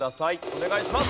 お願いします。